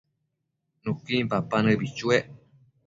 Nuquin papa nëbi chuec